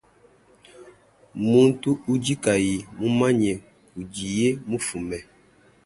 Muntu udi kayi mumanye kudiye mufume.